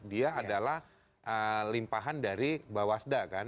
dia adalah limpahan dari bawasda kan